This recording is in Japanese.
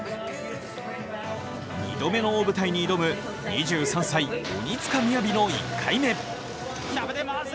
２度目の大舞台に挑む、２３歳・鬼塚雅の１回目。